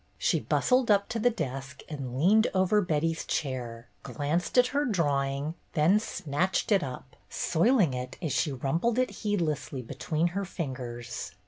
She bustled up to the desk and leaned over Betty's chair, glanced at her drawing, then snatched it up, soiling it as she rumpled it heedlessly be tween her fingers.